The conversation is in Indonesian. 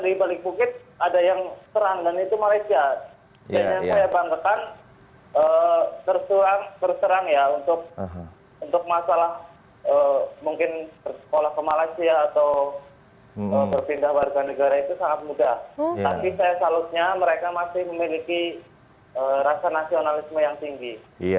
tapi saya salusnya mereka masih memiliki rasa nasionalisme yang tinggi